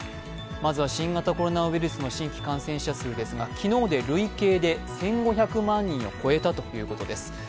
まずは新型コロナウイルスの新規感染者数ですが昨日で累計で１５００万人を超えたということです。